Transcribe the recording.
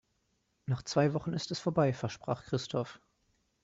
"Nach zwei Wochen ist es vorbei", versprach Christoph.